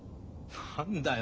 何だよ？